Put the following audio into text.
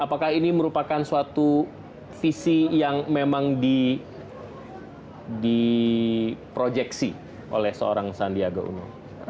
apakah ini merupakan suatu visi yang memang diprojeksi oleh seorang sandiaga uno